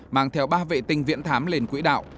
mang theo ba vệ tinh viễn thám lên quỹ đạo